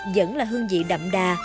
vẫn là hương vị đậm đà